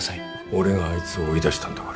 俺があいつを追い出したんだから。